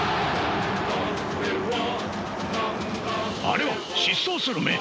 あれは疾走する眼！